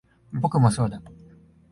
僕もそうだ